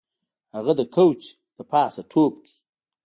هغه د کوچ د پاسه ټوپ کړ